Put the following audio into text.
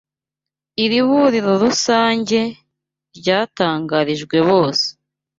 IRIBURIRO RUSANGE ryatangarijwe bose